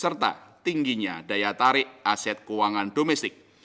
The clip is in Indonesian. serta tingginya daya tarik aset keuangan domestik